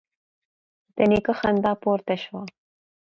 د نيکه خندا پورته شوه: